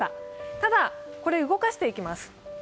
ただ、これ動かしていきます。